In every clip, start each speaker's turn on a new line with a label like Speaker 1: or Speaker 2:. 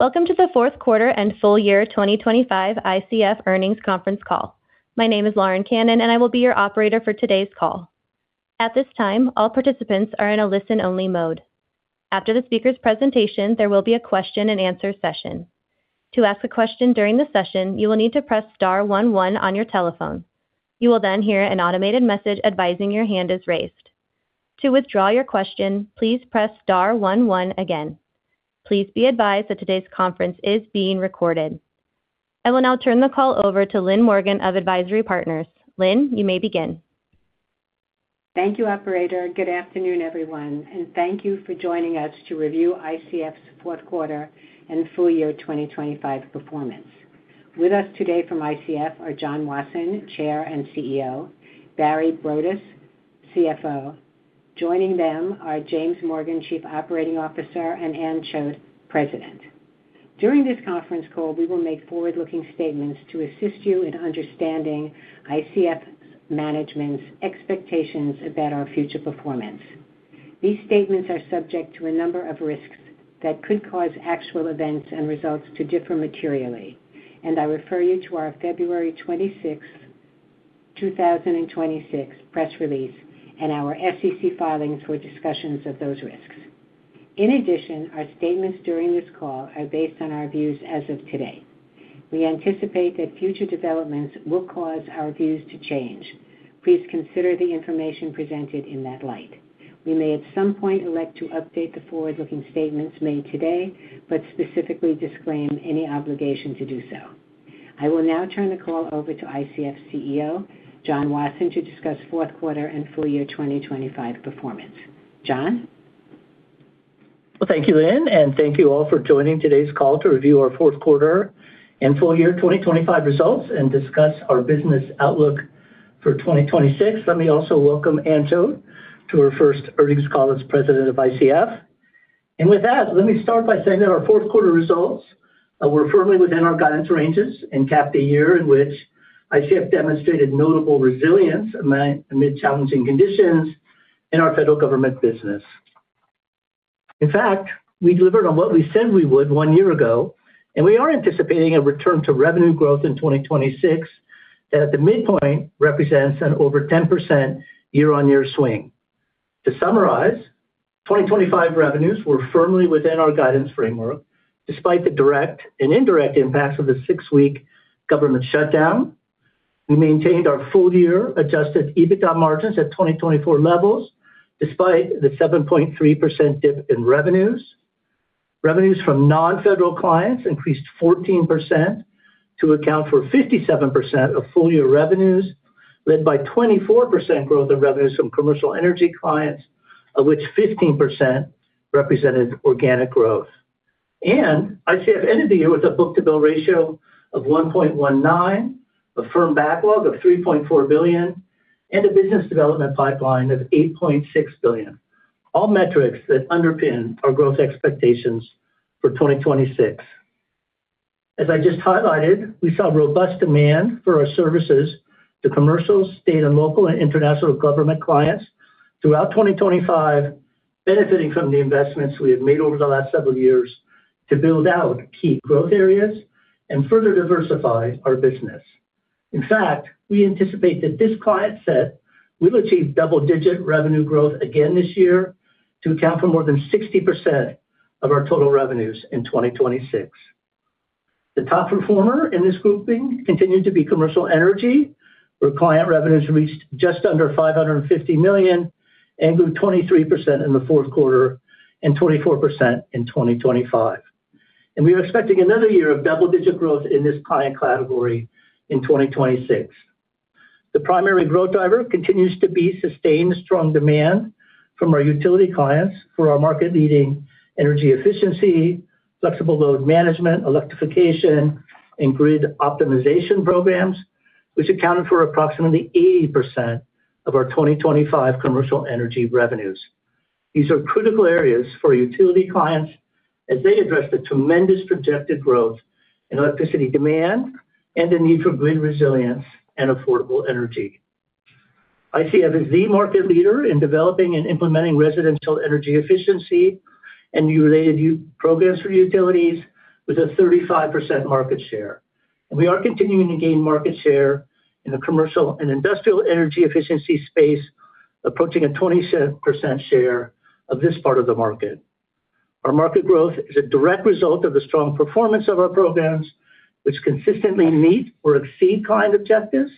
Speaker 1: Welcome to the fourth quarter and full year 2025 ICF earnings conference call. My name is Lauren Cannon. I will be your operator for today's call. At this time, all participants are in a listen-only mode. After the speaker's presentation, there will be a question-and-answer session. To ask a question during the session, you will need to press star one one on your telephone. You will hear an automated message advising your hand is raised. To withdraw your question, please press star one one again. Please be advised that today's conference is being recorded. I will now turn the call over to Lynn Morgen of AdvisIRy Partners. Lynn, you may begin.
Speaker 2: Thank you, operator. Good afternoon, everyone, and thank you for joining us to review ICF's fourth quarter and full year 2025 performance. With us today from ICF are John Wasson, Chair and CEO, Barry Broadus, CFO. Joining them are James Morgan, Chief Operating Officer, and Anne Choate, President. During this conference call, we will make forward-looking statements to assist you in understanding ICF management's expectations about our future performance. These statements are subject to a number of risks that could cause actual events and results to differ materially, and I refer you to our February 26, 2026 press release and our SEC filings for discussions of those risks. In addition, our statements during this call are based on our views as of today. We anticipate that future developments will cause our views to change. Please consider the information presented in that light. We may at some point elect to update the forward-looking statements made today, but specifically disclaim any obligation to do so. I will now turn the call over to ICF's CEO, John Wasson, to discuss fourth quarter and full year 2025 performance. John?
Speaker 3: Well, thank you, Lynn, and thank you all for joining today's call to review our fourth quarter and full year 2025 results and discuss our business outlook for 2026. Let me also welcome Anne Choate to her first earnings call as President of ICF. With that, let me start by saying that our fourth quarter results were firmly within our guidance ranges and capped a year in which ICF demonstrated notable resilience amid challenging conditions in our federal government business. In fact, we delivered on what we said we would one year ago, and we are anticipating a return to revenue growth in 2026 that at the midpoint represents an over 10% year-on-year swing. To summarize, 2025 revenues were firmly within our guidance framework despite the direct and indirect impacts of the six-week government shutdown. We maintained our full year Adjusted EBITDA margins at 2024 levels despite the 7.3% dip in revenues. Revenues from non-federal clients increased 14% to account for 57% of full-year revenues, led by 24% growth in revenues from commercial energy clients, of which 15% represented organic growth. ICF ended the year with a book-to-bill ratio of 1.19x, a firm backlog of $3.4 billion, and a business development pipeline of $8.6 billion. All metrics that underpin our growth expectations for 2026. As I just highlighted, we saw robust demand for our services to commercial, state and local and international government clients throughout 2025, benefiting from the investments we have made over the last several years to build out key growth areas and further diversify our business. In fact, we anticipate that this client set will achieve double-digit revenue growth again this year to account for more than 60% of our total revenues in 2026. The top performer in this grouping continued to be commercial energy, where client revenues reached just under $550 million and grew 23% in the fourth quarter and 24% in 2025. We are expecting another year of double-digit growth in this client category in 2026. The primary growth driver continues to be sustained strong demand from our utility clients for our market-leading energy efficiency, flexible load management, electrification, and grid optimization programs, which accounted for approximately 80% of our 2025 commercial energy revenues. These are critical areas for utility clients as they address the tremendous projected growth in electricity demand and the need for grid resilience and affordable energy. ICF is the market leader in developing and implementing residential energy efficiency and related programs for utilities with a 35% market share. We are continuing to gain market share in the commercial and industrial energy efficiency space, approaching a 20% share of this part of the market. Our market growth is a direct result of the strong performance of our programs, which consistently meet or exceed client objectives.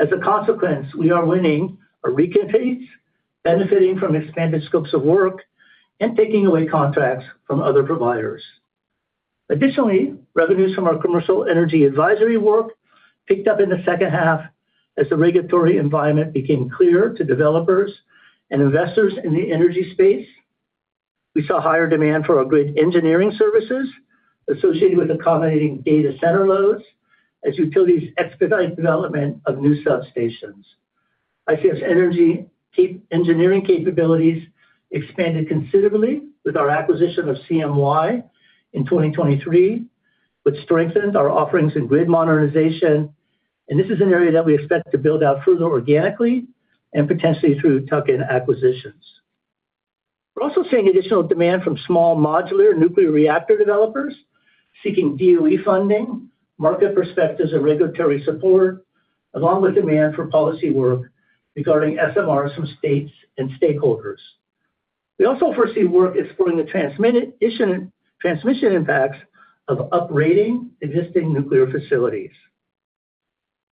Speaker 3: As a consequence, we are winning re-competes, benefiting from expanded scopes of work and taking away contracts from other providers. Revenues from our commercial energy advisory work picked up in the second half as the regulatory environment became clearer to developers and investors in the energy space. We saw higher demand for our grid engineering services associated with accommodating data center loads as utilities expedite development of new substations. ICF's engineering capabilities expanded considerably with our acquisition of CMY in 2023, which strengthened our offerings in grid modernization. This is an area that we expect to build out further organically and potentially through tuck-in acquisitions. We're also seeing additional demand from small modular nuclear reactor developers seeking DOE funding, market perspectives, and regulatory support, along with demand for policy work regarding SMRs from states and stakeholders. We also foresee work exploring the transmission impacts of uprating existing nuclear facilities.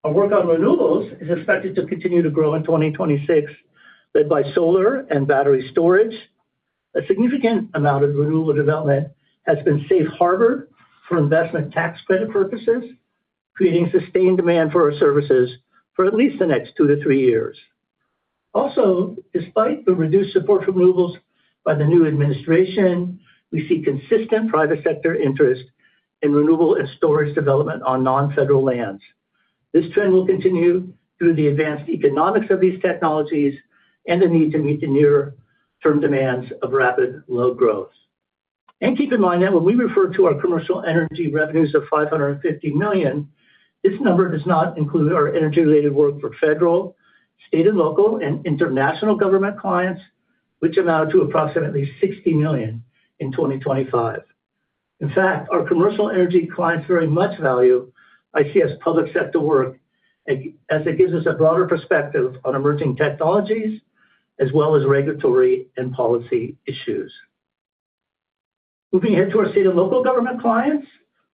Speaker 3: Our work on renewables is expected to continue to grow in 2026, led by solar and battery storage. A significant amount of renewable development has been safe harbored for investment tax credit purposes, creating sustained demand for our services for at least the next two to three years. Despite the reduced support for renewables by the new administration, we see consistent private sector interest in renewable and storage development on non-federal lands. This trend will continue through the advanced economics of these technologies and the need to meet the nearer-term demands of rapid load growth. Keep in mind that when we refer to our commercial energy revenues of $550 million, this number does not include our energy-related work for federal, state and local, and international government clients, which amount to approximately $60 million in 2025. Our commercial energy clients very much value ICF's public sector work as it gives us a broader perspective on emerging technologies as well as regulatory and policy issues. Moving ahead to our state and local government clients,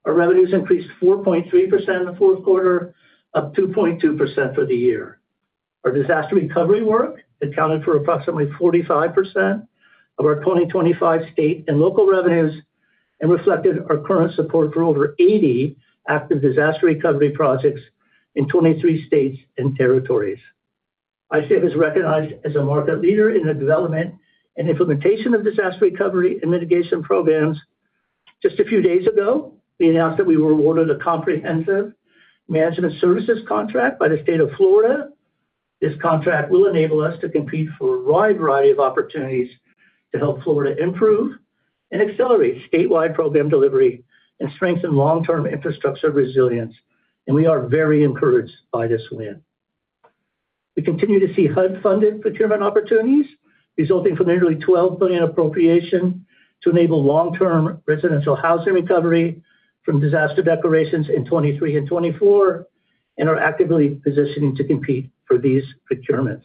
Speaker 3: our revenues increased 4.3% in the fourth quarter, up 2.2% for the year. Our disaster recovery work accounted for approximately 45% of our 2025 state and local revenues, and reflected our current support for over 80 active disaster recovery projects in 23 states and territories. ICF is recognized as a market leader in the development and implementation of disaster recovery and mitigation programs. Just a few days ago, we announced that we were awarded a comprehensive management services contract by the state of Florida. This contract will enable us to compete for a wide variety of opportunities to help Florida improve and accelerate statewide program delivery and strengthen long-term infrastructure resilience. We are very encouraged by this win. We continue to see HUD-funded procurement opportunities resulting from the nearly $12 billion appropriation to enable long-term residential housing recovery from disaster declarations in 2023 and 2024, and are actively positioning to compete for these procurements.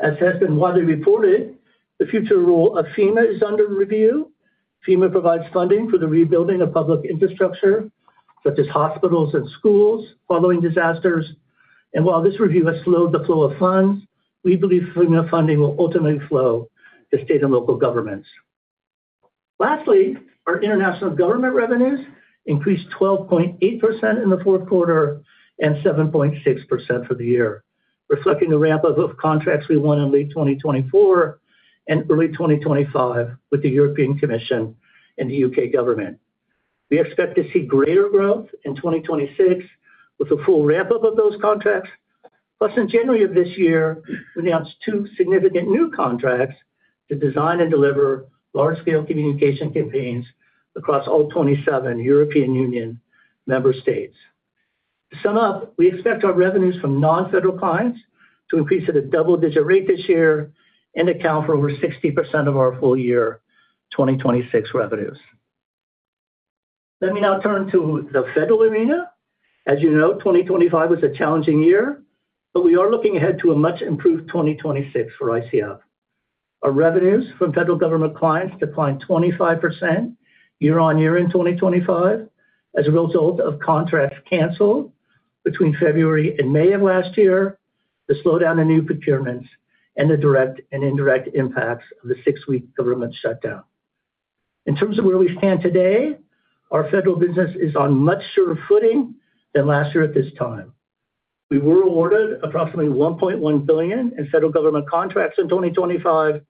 Speaker 3: As has been widely reported, the future role of FEMA is under review. FEMA provides funding for the rebuilding of public infrastructure, such as hospitals and schools, following disasters. While this review has slowed the flow of funds, we believe FEMA funding will ultimately flow to state and local governments. Lastly, our international government revenues increased 12.8% in the fourth quarter and 7.6% for the year, reflecting the ramp-up of contracts we won in late 2024 and early 2025 with the European Commission and the U.K. government. We expect to see greater growth in 2026 with the full ramp-up of those contracts. In January of this year, we announced two significant new contracts to design and deliver large-scale communication campaigns across all 27 European Union member states. We expect our revenues from non-federal clients to increase at a double-digit rate this year and account for over 60% of our full year 2026 revenues. Let me now turn to the federal arena. As you know, 2025 was a challenging year. We are looking ahead to a much-improved 2026 for ICF. Our revenues from federal government clients declined 25% year-on-year in 2025 as a result of contracts canceled between February and May of last year, the slowdown in new procurements, and the direct and indirect impacts of the six-week government shutdown. In terms of where we stand today, our federal business is on much surer footing than last year at this time. We were awarded approximately $1.1 billion in federal government contracts in 2025,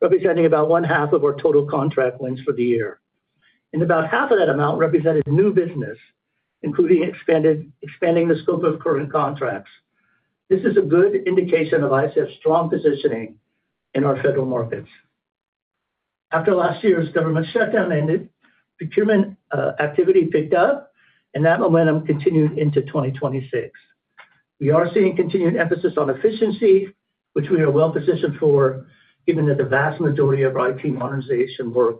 Speaker 3: representing about one half of our total contract wins for the year. About half of that amount represented new business, including expanding the scope of current contracts. This is a good indication of ICF's strong positioning in our federal markets. After last year's government shutdown ended, procurement activity picked up, and that momentum continued into 2026. We are seeing continued emphasis on efficiency, which we are well positioned for, given that the vast majority of our IT modernization work,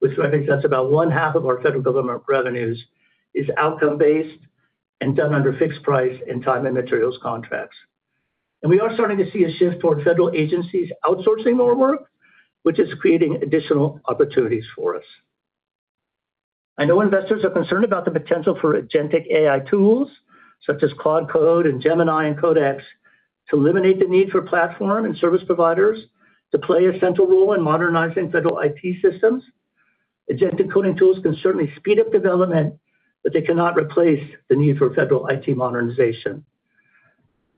Speaker 3: which represents about one half of our federal government revenues, is outcome-based and done under fixed price and time and materials contracts. We are starting to see a shift towards federal agencies outsourcing more work, which is creating additional opportunities for us. I know investors are concerned about the potential for agentic AI tools such as Claude Code and Gemini and Codex to eliminate the need for platform and service providers to play a central role in modernizing federal IT systems. Agentic coding tools can certainly speed up development, but they cannot replace the need for federal IT modernization.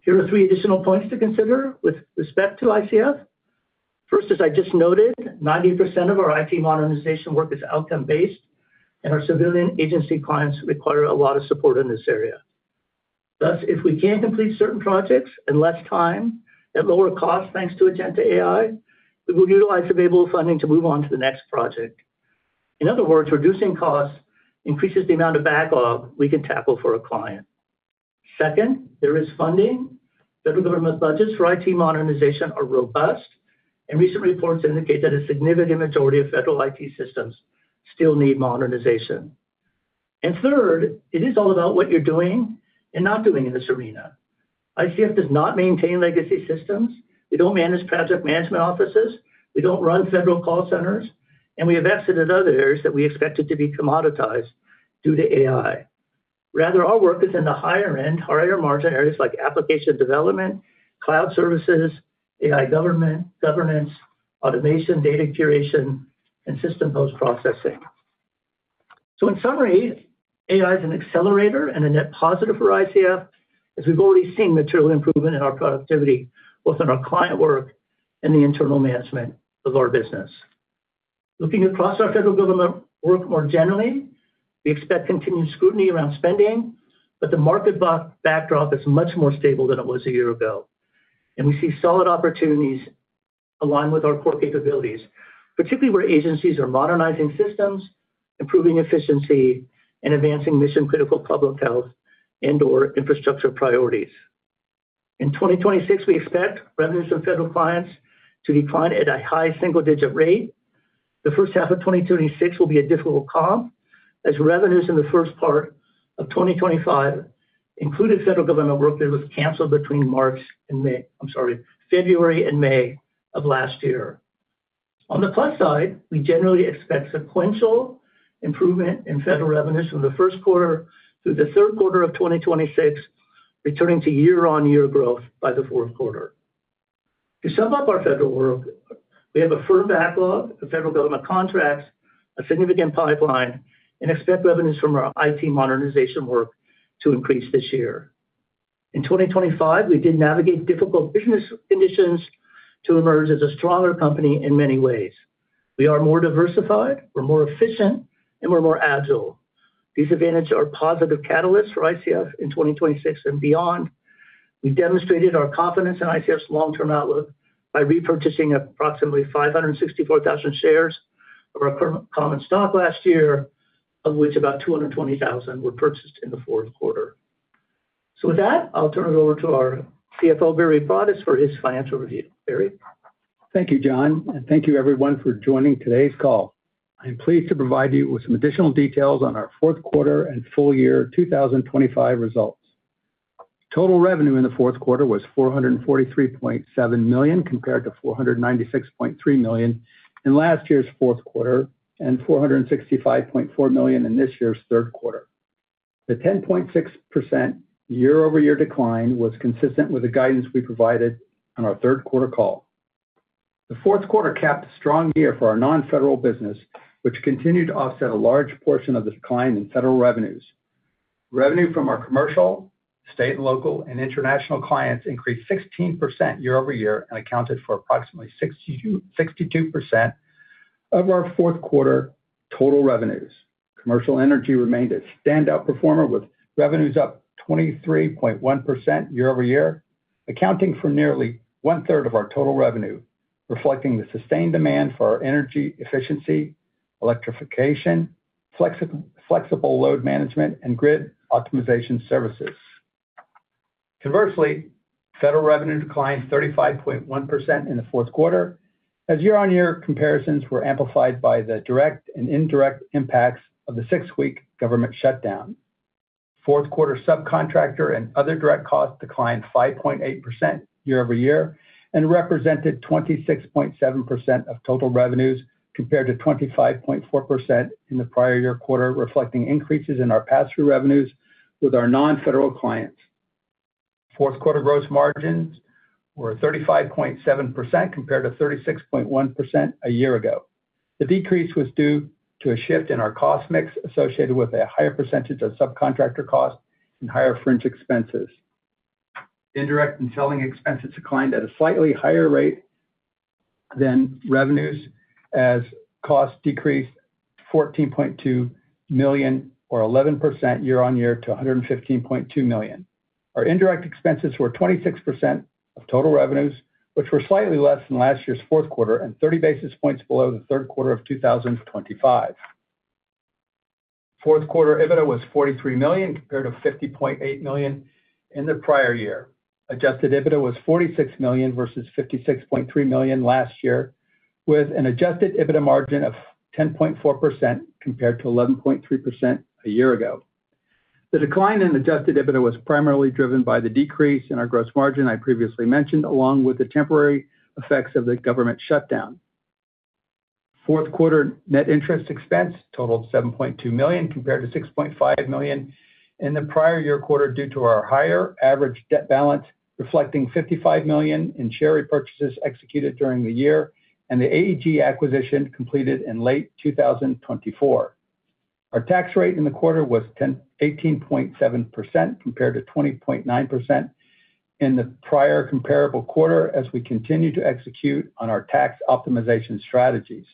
Speaker 3: Here are three additional points to consider with respect to ICF. First, as I just noted, 90% of our IT modernization work is outcome-based, and our civilian agency clients require a lot of support in this area. If we can complete certain projects in less time at lower cost, thanks to agentic AI, we will utilize available funding to move on to the next project. In other words, reducing costs increases the amount of backlog we can tackle for a client. Second, there is funding. Federal government budgets for IT modernization are robust, and recent reports indicate that a significant majority of federal IT systems still need modernization. Third, it is all about what you're doing and not doing in this arena. ICF does not maintain legacy systems. We don't manage project management offices. We don't run federal call centers, and we have exited other areas that we expected to be commoditized due to AI. Rather, our work is in the higher-end, higher-margin areas like application development, cloud services, AI governance, automation, data curation, and system post-processing. In summary, AI is an accelerator and a net positive for ICF, as we've already seen material improvement in our productivity, both in our client work and the internal management of our business. Looking across our federal government work more generally, we expect continued scrutiny around spending, the market backdrop is much more stable than it was a year ago. We see solid opportunities aligned with our core capabilities, particularly where agencies are modernizing systems, improving efficiency, and advancing mission-critical public health and/or infrastructure priorities. In 2026, we expect revenues from federal clients to decline at a high single-digit rate. The first half of 2026 will be a difficult comp, as revenues in the first part of 2025 included federal government work that was canceled between February and May of last year. On the plus side, we generally expect sequential improvement in federal revenues from the first quarter through the third quarter of 2026, returning to year-over-year growth by the fourth quarter. To sum up our federal work, we have a firm backlog of federal government contracts, a significant pipeline, and expect revenues from our IT modernization work to increase this year. In 2025, we did navigate difficult business conditions to emerge as a stronger company in many ways. We are more diversified, we're more efficient, and we're more agile. These advantages are positive catalysts for ICF in 2026 and beyond. We've demonstrated our confidence in ICF's long-term outlook by repurchasing approximately 564,000 shares of our common stock last year, of which about 220,000 were purchased in the fourth quarter. With that, I'll turn it over to our CFO, Barry Broadus, for his financial review. Barry?
Speaker 4: Thank you, John. Thank you everyone for joining today's call. I'm pleased to provide you with some additional details on our fourth quarter and full year 2025 results. Total revenue in the fourth quarter was $443.7 million, compared to $496.3 million in last year's fourth quarter, and $465.4 million in this year's third quarter. The 10.6% year-over-year decline was consistent with the guidance we provided on our third quarter call. The fourth quarter capped a strong year for our non-federal business, which continued to offset a large portion of the decline in federal revenues. Revenue from our commercial, state and local, and international clients increased 16% year-over-year and accounted for approximately 62% of our fourth quarter total revenues. Commercial energy remained a standout performer, with revenues up 23.1% year-over-year, accounting for nearly 1/3 of our total revenue, reflecting the sustained demand for our energy efficiency, electrification, flexible load management, and grid optimization services. Conversely, federal revenue declined 35.1% in the fourth quarter, as year-on-year comparisons were amplified by the direct and indirect impacts of the six-week government shutdown. Fourth quarter subcontractor and other direct costs declined 5.8% year-over-year and represented 26.7% of total revenues, compared to 25.4% in the prior year quarter, reflecting increases in our pass-through revenues with our non-federal clients. Fourth quarter gross margins were 35.7% compared to 36.1% a year ago. The decrease was due to a shift in our cost mix associated with a higher percentage of subcontractor costs and higher fringe expenses. Indirect and selling expenses declined at a slightly higher rate than revenues as costs decreased $14.2 million or 11% year-on-year to $115.2 million. Our indirect expenses were 26% of total revenues, which were slightly less than last year's fourth quarter and 30 basis points below the third quarter of 2025. Fourth quarter EBITDA was $43 million, compared to $50.8 million in the prior year. Adjusted EBITDA was $46 million versus $56.3 million last year, with an Adjusted EBITDA margin of 10.4% compared to 11.3% a year ago. The decline in Adjusted EBITDA was primarily driven by the decrease in our gross margin I previously mentioned, along with the temporary effects of the government shutdown. Fourth quarter net interest expense totaled $7.2 million compared to $6.5 million in the prior year quarter due to our higher average debt balance, reflecting $55 million in share repurchases executed during the year and the AEG acquisition completed in late 2024. Our tax rate in the quarter was 18.7% compared to 20.9% in the prior comparable quarter as we continue to execute on our tax optimization strategies.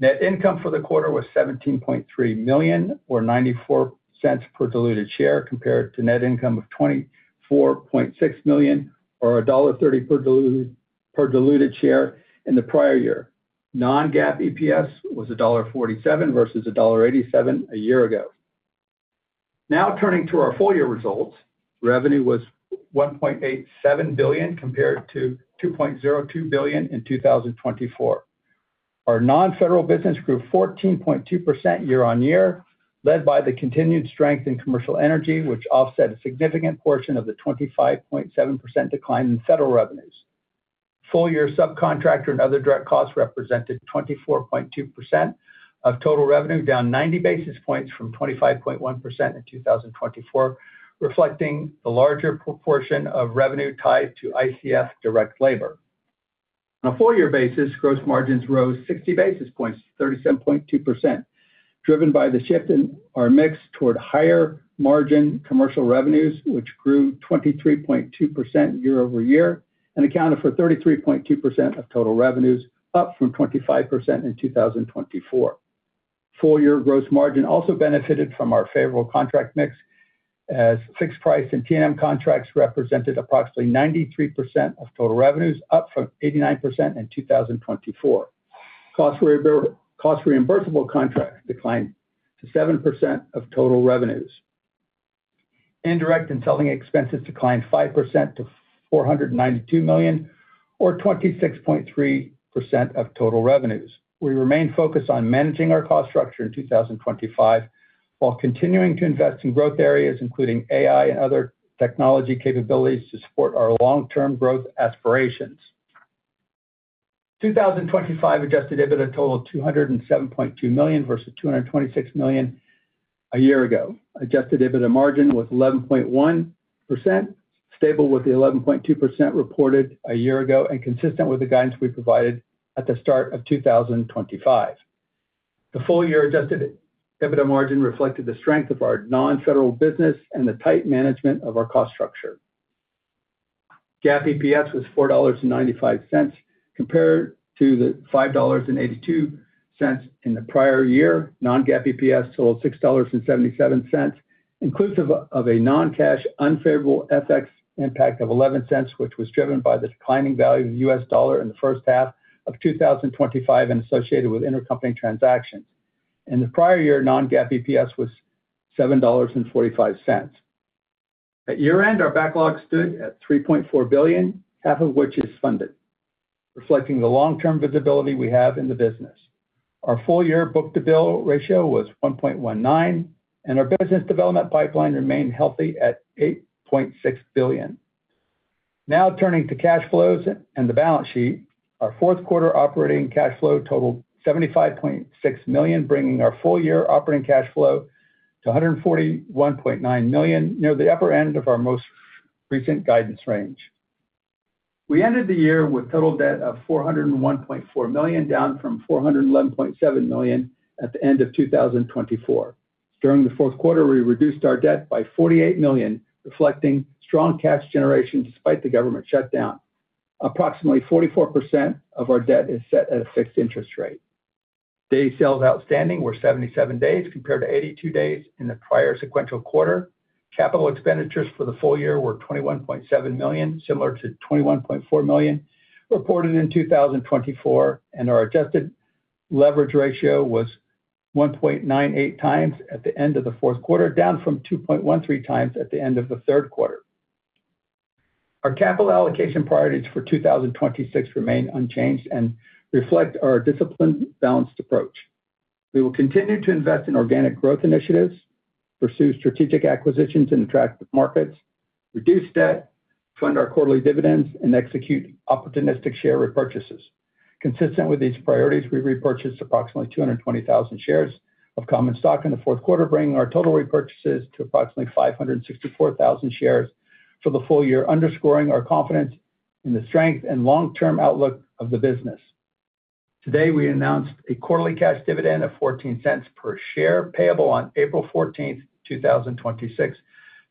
Speaker 4: Net income for the quarter was $17.3 million or $0.94 per diluted share compared to net income of $24.6 million or $1.30 per diluted share in the prior year. Non-GAAP EPS was $1.47 versus $1.87 a year ago. Turning to our full-year results. Revenue was $1.87 billion compared to $2.02 billion in 2024. Our non-federal business grew 14.2% year on year, led by the continued strength in commercial energy, which offset a significant portion of the 25.7% decline in federal revenues. Full-year subcontractor and other direct costs represented 24.2% of total revenue, down 90 basis points from 25.1% in 2024, reflecting the larger proportion of revenue tied to ICF direct labor. On a four-year basis, gross margins rose 60 basis points, 37.2%, driven by the shift in our mix toward higher margin commercial revenues, which grew 23.2% year-over-year and accounted for 33.2% of total revenues, up from 25% in 2024. Full-year gross margin also benefited from our favorable contract mix as fixed price and TM contracts represented approximately 93% of total revenues, up from 89% in 2024. Cost reimbursable contracts declined to 7% of total revenues. Indirect and selling expenses declined 5% to $492 million or 26.3% of total revenues. We remain focused on managing our cost structure in 2025 while continuing to invest in growth areas, including AI and other technology capabilities to support our long-term growth aspirations. 2025 Adjusted EBITDA totaled $207.2 million versus $226 million a year ago. Adjusted EBITDA margin was 11.1%, stable with the 11.2% reported a year ago and consistent with the guidance we provided at the start of 2025. The full year Adjusted EBITDA margin reflected the strength of our non-federal business and the tight management of our cost structure. GAAP EPS was $4.95 compared to the $5.82 in the prior year. Non-GAAP EPS totaled $6.77, inclusive of a non-cash unfavorable FX impact of $0.11, which was driven by the declining value of the U.S. dollar in the first half of 2025 and associated with intercompany transactions. In the prior year, non-GAAP EPS was $7.45. At year-end, our backlog stood at $3.4 billion, half of which is funded, reflecting the long-term visibility we have in the business. Our full-year book-to-bill ratio was 1.19x, and our business development pipeline remained healthy at $8.6 billion. Turning to cash flows and the balance sheet. Our fourth quarter operating cash flow totaled $75.6 million, bringing our full-year operating cash flow to $141.9 million, near the upper end of our most recent guidance range. We ended the year with total debt of $401.4 million, down from $411.7 million at the end of 2024. During the fourth quarter, we reduced our debt by $48 million, reflecting strong cash generation despite the government shutdown. Approximately 44% of our debt is set at a fixed interest rate. Day sales outstanding were 77 days, compared to 82 days in the prior sequential quarter. Capital expenditures for the full year were $21.7 million, similar to $21.4 million reported in 2024, and our adjusted leverage ratio was 1.98x at the end of the fourth quarter, down from 2.13x at the end of the third quarter. Our capital allocation priorities for 2026 remain unchanged and reflect our disciplined, balanced approach. We will continue to invest in organic growth initiatives, pursue strategic acquisitions in attractive markets, reduce debt, fund our quarterly dividends, and execute opportunistic share repurchases. Consistent with these priorities, we repurchased approximately 220,000 shares of common stock in the fourth quarter, bringing our total repurchases to approximately 564,000 shares for the full year, underscoring our confidence in the strength and long-term outlook of the business. Today, we announced a quarterly cash dividend of $0.14 per share, payable on April 14th, 2026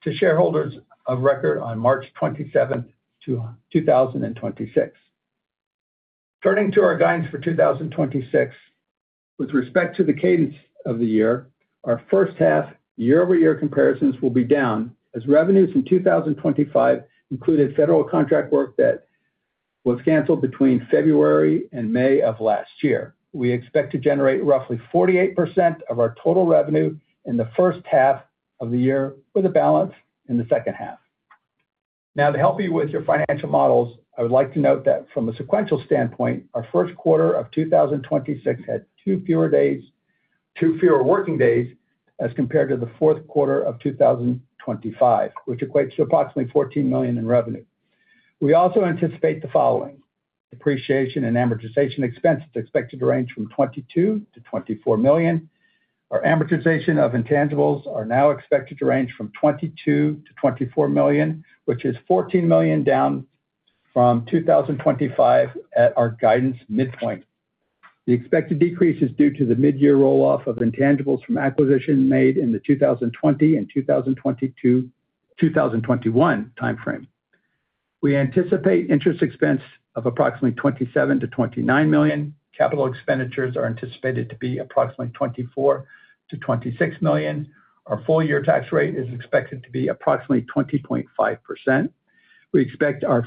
Speaker 4: to shareholders of record on March 27th, 2026. Turning to our guidance for 2026. With respect to the cadence of the year, our first half year-over-year comparisons will be down as revenues in 2025 included federal contract work that was canceled between February and May of last year. We expect to generate roughly 48% of our total revenue in the first half of the year, with a balance in the second half. To help you with your financial models, I would like to note that from a sequential standpoint, our first quarter of 2026 had two fewer days, two fewer working days as compared to the fourth quarter of 2025, which equates to approximately $14 million in revenue. We also anticipate the following. Depreciation and amortization expenses expected to range from $22 million-$24 million. Our amortization of intangibles are now expected to range from $22 million-$24 million, which is $14 million down from 2025 at our guidance midpoint. The expected decrease is due to the mid-year roll-off of intangibles from acquisition made in the 2020 and 2020-2021 timeframe. We anticipate interest expense of approximately $27 million-$29 million. Capital expenditures are anticipated to be approximately $24 million-$26 million. Our full-year tax rate is expected to be approximately 20.5%. We expect our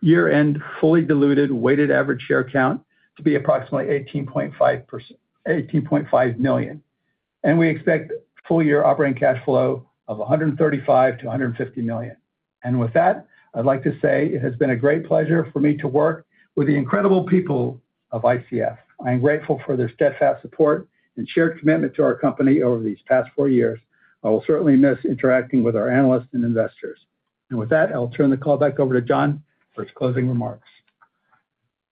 Speaker 4: year-end fully diluted weighted average share count to be approximately 18.5 million. We expect full year operating cash flow of $135 million-$150 million. With that, I'd like to say it has been a great pleasure for me to work with the incredible people of ICF. I am grateful for their steadfast support and shared commitment to our company over these past four years. I will certainly miss interacting with our analysts and investors. With that, I'll turn the call back over to John for his closing remarks.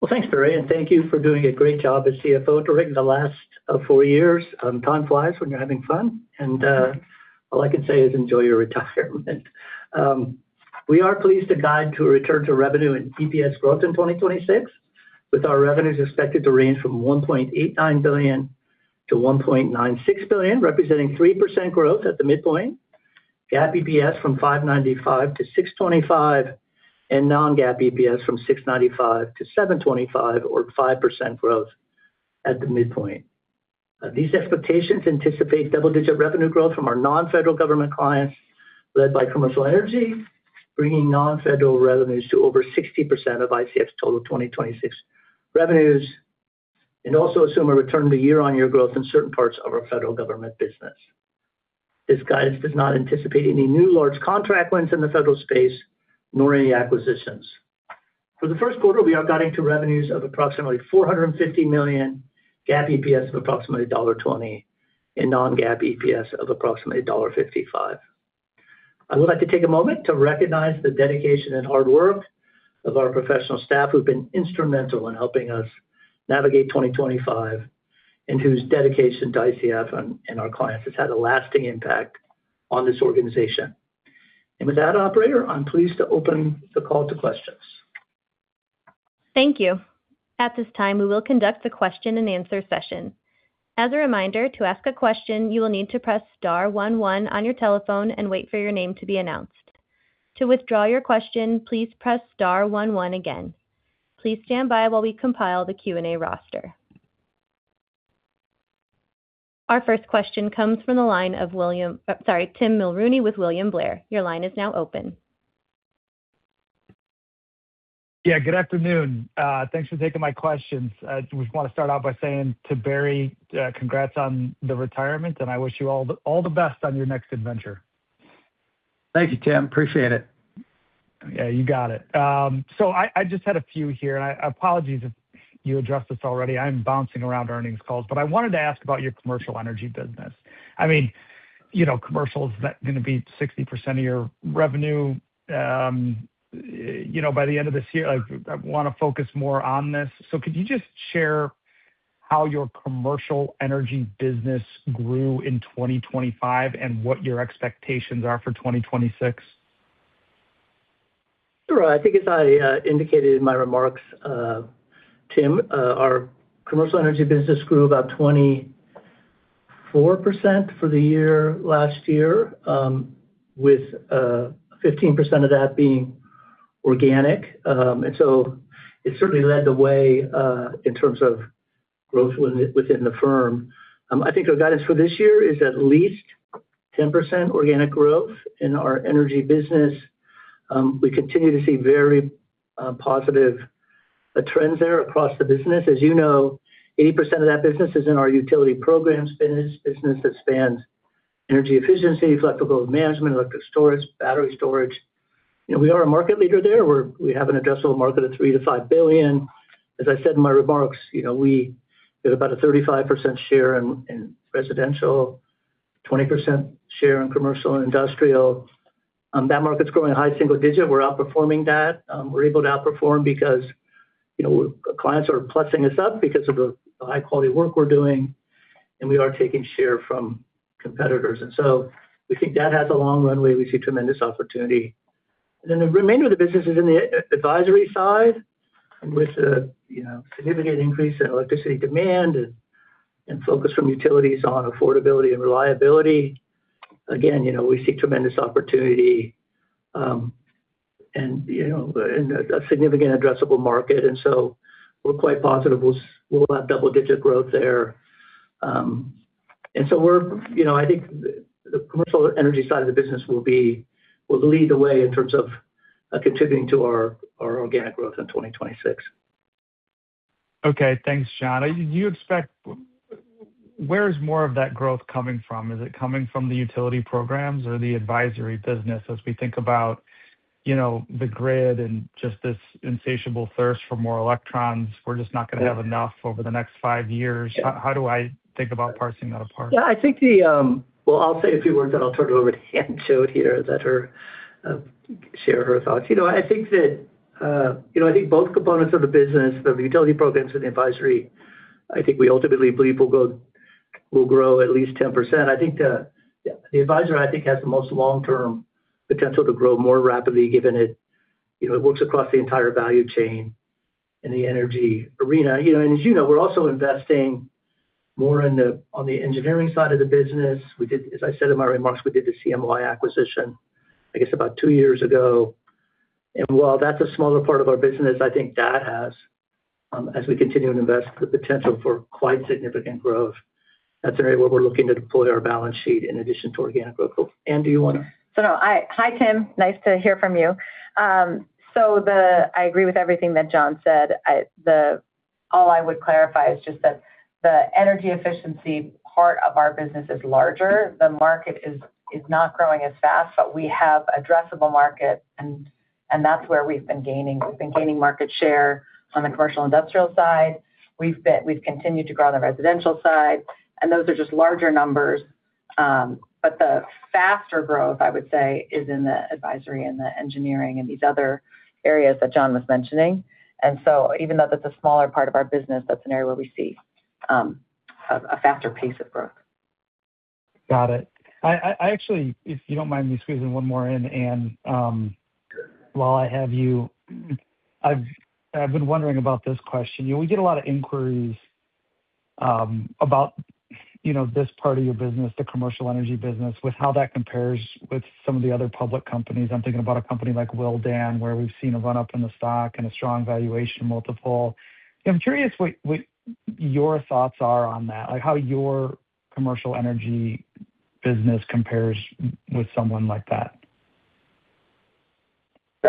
Speaker 3: Well, thanks, Barry, and thank you for doing a great job as CFO during the last four years. Time flies when you're having fun. All I can say is enjoy your retirement. We are pleased to guide to a return to revenue and EPS growth in 2026, with our revenues expected to range from $1.89 billion-$1.96 billion, representing 3% growth at the midpoint. GAAP EPS from $5.95-$6.25, and non-GAAP EPS from $6.95-$7.25 or 5% growth at the midpoint. These expectations anticipate double-digit revenue growth from our non-federal government clients, led by commercial energy, bringing non-federal revenues to over 60% of ICF's total 2026 revenues, and also assume a return to year-over-year growth in certain parts of our federal government business. This guidance does not anticipate any new large contract wins in the federal space, nor any acquisitions. For the first quarter, we are guiding to revenues of approximately $450 million, GAAP EPS of approximately $1.20 and non-GAAP EPS of approximately $1.55. I would like to take a moment to recognize the dedication and hard work of our professional staff who've been instrumental in helping us navigate 2025 and whose dedication to ICF and our clients has had a lasting impact on this organization. With that operator, I'm pleased to open the call to questions.
Speaker 1: Thank you. At this time, we will conduct the question-and-answer session. As a reminder, to ask a question, you will need to press star one one on your telephone and wait for your name to be announced. To withdraw your question, please press star one one again. Please stand by while we compile the Q&A roster. Our first question comes from the line of sorry, Tim Mulrooney with William Blair. Your line is now open.
Speaker 5: Yeah, good afternoon. Thanks for taking my questions. Just wanna start off by saying to Barry, congrats on the retirement. I wish you all the best on your next adventure.
Speaker 4: Thank you, Tim. Appreciate it.
Speaker 5: Yeah, you got it. I just had a few here, and apologies if you addressed this already. I'm bouncing around earnings calls, but I wanted to ask about your commercial energy business. I mean, you know, commercial is gonna be 60% of your revenue, you know, by the end of this year. I wanna focus more on this. Could you just share how your commercial energy business grew in 2025 and what your expectations are for 2026?
Speaker 3: Sure. I think as I indicated in my remarks, Tim, our commercial energy business grew about 24% for the year last year, with 15% of that being organic. It certainly led the way in terms of growth within the firm. I think our guidance for this year is at least 10% organic growth in our energy business. We continue to see very positive trends there across the business. As you know, 80% of that business is in our utility programs business that spans energy efficiency, flexible management, electric storage, battery storage. You know, we are a market leader there, where we have an addressable market of $3 billion-$5 billion. As I said in my remarks, you know, we have about a 35% share in residential, 20% share in commercial and industrial. That market's growing at high single digit. We're outperforming that. We're able to outperform because, you know, clients are plussing us up because of the high quality work we're doing, and we are taking share from competitors. We think that has a long runway. We see tremendous opportunity. The remainder of the business is in the advisory side. With the, you know, significant increase in electricity demand and focus from utilities on affordability and reliability, again, you know, we see tremendous opportunity, and, you know, and a significant addressable market. We're quite positive we'll have double-digit growth there. You know, I think the commercial energy side of the business will lead the way in terms of contributing to our organic growth in 2026.
Speaker 5: Okay, thanks, John. Where is more of that growth coming from? Is it coming from the utility programs or the advisory business? As we think about, you know, the grid and just this insatiable thirst for more electrons, we're just not gonna have enough over the next five years. How do I think about parsing that apart?
Speaker 3: Well, I'll say a few words, and I'll turn it over to Anne Choate here, let her share her thoughts. You know, I think that, you know, I think both components of the business, the utility programs and the advisory, I think we ultimately believe will grow at least 10%. I think the advisory, I think, has the most long-term potential to grow more rapidly, given it, you know, it works across the entire value chain in the energy arena. You know, as you know, we're also investing more on the engineering side of the business. As I said in my remarks, we did the CMY acquisition, I guess, about two years ago. While that's a smaller part of our business, I think that has, as we continue to invest, the potential for quite significant growth. That's an area where we're looking to deploy our balance sheet in addition to organic growth. Anne, do you wanna?
Speaker 6: No. Hi, Tim. Nice to hear from you. I agree with everything that John said. All I would clarify is just that the energy efficiency part of our business is larger. The market is not growing as fast, but we have addressable market and that's where we've been gaining. We've been gaining market share on the commercial industrial side. We've continued to grow on the residential side, and those are just larger numbers. The faster growth, I would say, is in the advisory and the engineering and these other areas that John was mentioning. Even though that's a smaller part of our business, that's an area where we see a faster pace of growth.
Speaker 5: Got it. I actually, if you don't mind me squeezing one more in, Anne, while I have you. I've been wondering about this question. You know, we get a lot of inquiries, about, you know, this part of your business, the commercial energy business, with how that compares with some of the other public companies. I'm thinking about a company like Willdan, where we've seen a run-up in the stock and a strong valuation multiple. I'm curious what your thoughts are on that, like how your commercial energy business compares with someone like that.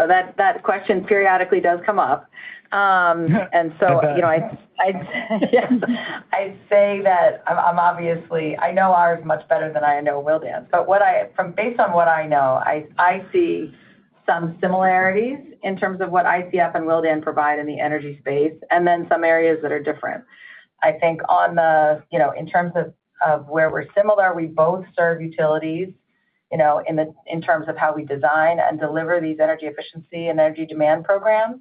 Speaker 6: That question periodically does come up.
Speaker 5: I bet.
Speaker 6: You know, I yes. I say that I'm obviously, I know ours much better than I know Willdan. Based on what I know, I see some similarities in terms of what ICF and Willdan provide in the energy space. Some areas that are different. I think on the, you know, in terms of where we're similar, we both serve utilities, you know, in terms of how we design and deliver these energy efficiency and energy demand programs.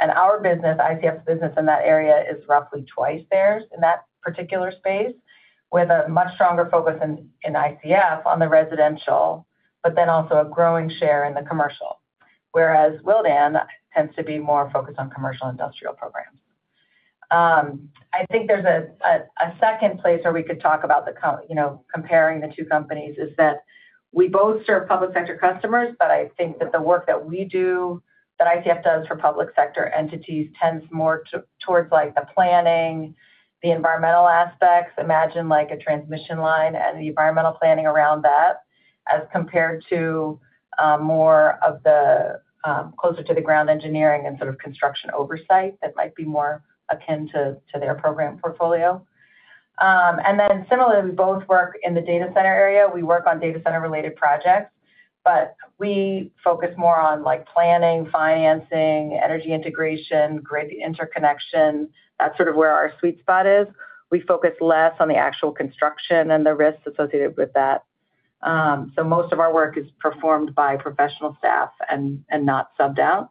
Speaker 6: Our business, ICF's business in that area is roughly twice theirs in that particular space, with a much stronger focus in ICF on the residential. Also a growing share in the commercial. Whereas Willdan tends to be more focused on commercial industrial programs. I think there's a second place where we could talk about you know, comparing the two companies is that we both serve public sector customers, but I think that the work that we do, that ICF does for public sector entities tends more towards like the planning, the environmental aspects. Imagine like a transmission line and the environmental planning around that as compared to more of the closer to the ground engineering and sort of construction oversight that might be more akin to their program portfolio. Similarly, we both work in the data center area. We work on data center-related projects, but we focus more on, like, planning, financing, energy integration, grid interconnection. That's sort of where our sweet spot is. We focus less on the actual construction and the risks associated with that. Most of our work is performed by professional staff and not subbed out.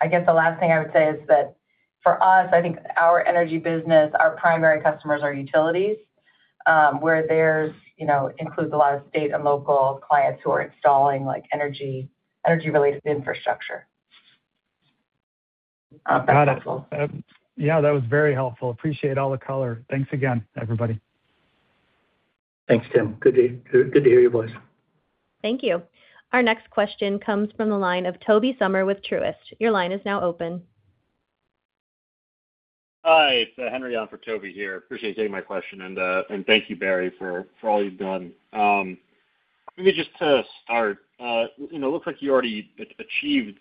Speaker 6: I guess the last thing I would say is that for us, I think our energy business, our primary customers are utilities, where theirs, you know, includes a lot of state and local clients who are installing, like, energy-related infrastructure. That's all.
Speaker 5: Got it. Yeah, that was very helpful. Appreciate all the color. Thanks again, everybody.
Speaker 4: Thanks, Tim. Good to hear your voice.
Speaker 1: Thank you. Our next question comes from the line of Tobey Sommer with Truist. Your line is now open.
Speaker 7: Hi, it's Henry on for Tobey here. Appreciate you taking my question, and thank you, Barry, for all you've done. Maybe just to start, you know, looks like you already achieved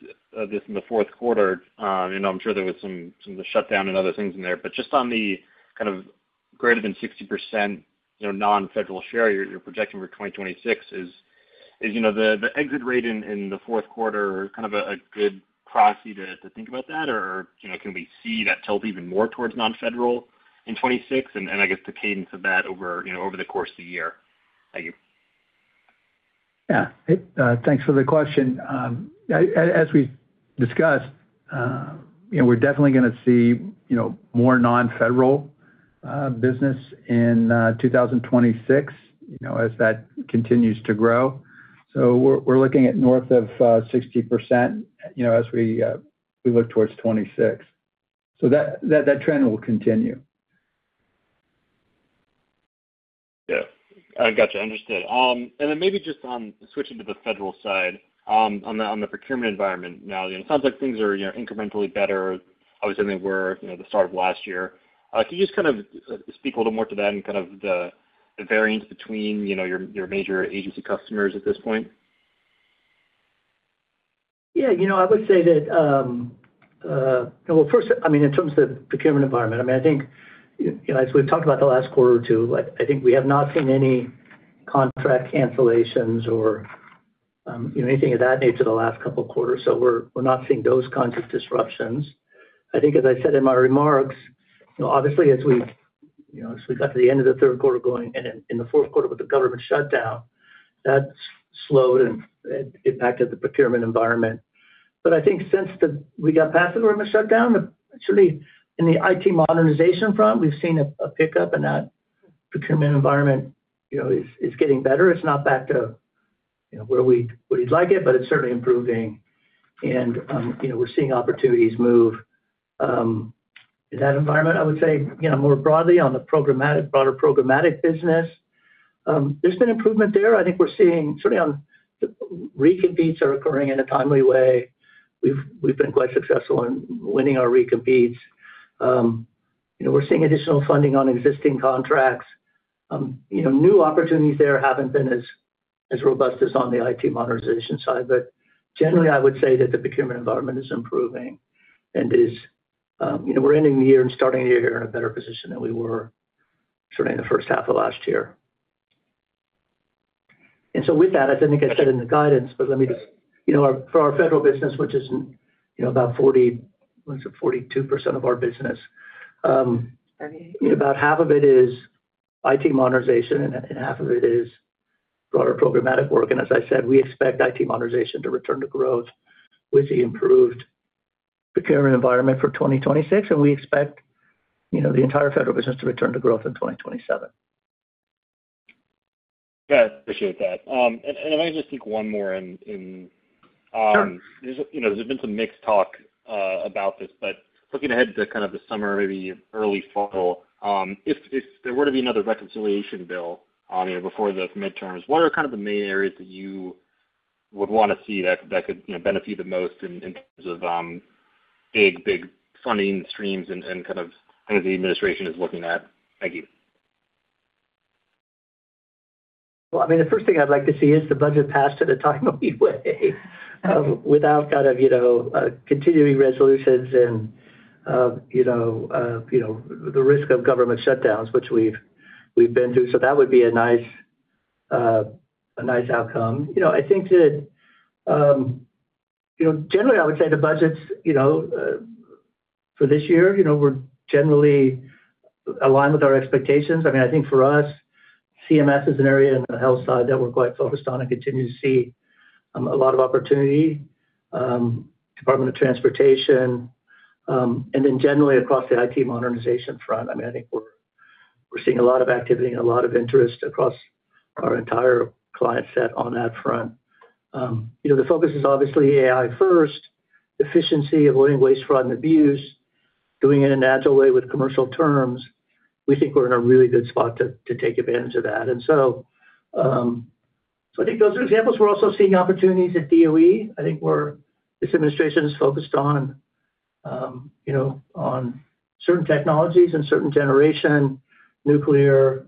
Speaker 7: this in the fourth quarter. You know, I'm sure there was some of the shutdown and other things in there, but just on the kind of greater than 60%, you know, non-federal share you're projecting for 2026 is, you know, the exit rate in the fourth quarter kind of a good proxy to think about that? Or, you know, can we see that tilt even more towards non-federal in 2026? I guess the cadence of that over the course of the year. Thank you.
Speaker 3: Yeah. Hey, thanks for the question. As we've discussed, you know, we're definitely gonna see, you know, more non-federal business in 2026, you know, as that continues to grow. We're looking at north of 60%, you know, as we look towards 2026. That, that trend will continue.
Speaker 7: Yeah. I gotcha. Understood. Maybe just on switching to the federal side, on the, on the procurement environment now, you know, it sounds like things are, you know, incrementally better, obviously, than they were, you know, the start of last year. Can you just kind of speak a little more to that and kind of the variance between, you know, your major agency customers at this point?
Speaker 3: Yeah. You know, I would say that. Well, first, I mean, in terms of procurement environment, I mean, I think, you know, as we've talked about the last quarter or two, I think we have not seen any contract cancellations or, you know, anything of that nature the last couple of quarters, so we're not seeing those kinds of disruptions. I think, as I said in my remarks, you know, obviously as we, you know, as we got to the end of the third quarter going in the fourth quarter with the government shutdown, that slowed and impacted the procurement environment. I think since we got past the government shutdown, actually in the IT modernization front, we've seen a pickup in that procurement environment. You know, it's getting better. It's not back to, you know, where we, where we'd like it, but it's certainly improving. you know, we're seeing opportunities move in that environment. I would say, you know, more broadly on the broader programmatic business, there's been improvement there. I think we're seeing certainly on the re-competes are occurring in a timely way. We've been quite successful in winning our re-competes. you know, we're seeing additional funding on existing contracts. you know, new opportunities there haven't been as robust as on the IT modernization side. Generally, I would say that the procurement environment is improving and is, you know, we're ending the year and starting the year in a better position than we were certainly in the first half of last year. With that, I think I said in the guidance, but let me just, you know, for our federal business, which is, you know, about 42% of our business. About half of it is IT modernization, and half of it is broader programmatic work. As I said, we expect IT modernization to return to growth with the improved procurement environment for 2026, and we expect, you know, the entire federal business to return to growth in 2027.
Speaker 7: Yeah, appreciate that. If I could just take one more in.
Speaker 3: Sure.
Speaker 7: You know, there's been some mixed talk about this, but looking ahead to kind of the summer, maybe early fall, if there were to be another reconciliation bill, you know, before those midterms, what are kind of the main areas that you would wanna see that could, you know, benefit the most in terms of big, big funding streams and kind of how the administration is looking at? Thank you.
Speaker 3: Well, I mean, the first thing I'd like to see is the budget passed in a timely way, without kind of, you know, continuing resolutions and the risk of government shutdowns, which we've been through. That would be a nice outcome. I think that, generally, I would say the budgets for this year were generally aligned with our expectations. I mean, I think for us, CMS is an area in the health side that we're quite focused on and continue to see a lot of opportunity. Department of Transportation, and then generally across the IT modernization front, I mean, I think we're seeing a lot of activity and a lot of interest across our entire client set on that front. You know, the focus is obviously AI first, efficiency, avoiding waste, fraud, and abuse, doing it in an agile way with commercial terms. We think we're in a really good spot to take advantage of that. I think those are examples. We're also seeing opportunities at DOE. I think this administration is focused on, you know, on certain technologies and certain generation, nuclear,